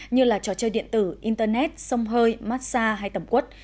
như trò chơi điện tử internet sông hơi massage hay tẩm quất